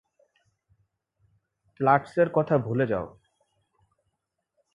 প্লাটসের কথা ভুলে যাও।